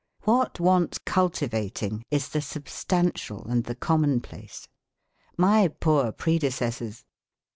What wants cultivating is the substantial and the commonplace. My poor predecessors."